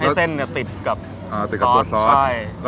แล้วเส้นติดกับซอส